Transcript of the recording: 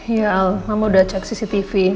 iya al mama udah cek cctv